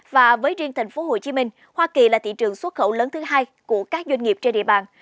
và với riêng tp hcm hoa kỳ là thị trường xuất khẩu lớn thứ hai của các doanh nghiệp trên địa bàn